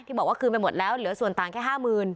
บอกว่าคืนไปหมดแล้วเหลือส่วนต่างแค่๕๐๐๐